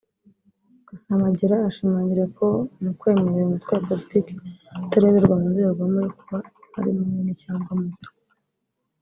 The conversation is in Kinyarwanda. Gasamagera ashimangira ko mu kwemerera umutwe wa politiki utareberwa mu ndorerwamo yo kuba ari munini cyangwa muto